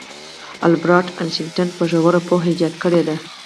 البرت انیشټین په ژوره پوهه ایجاد کړی دی.